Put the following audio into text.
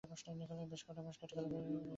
বেশ কটা মাস কেটে গেল।